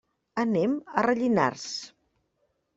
Anem a Rellinars.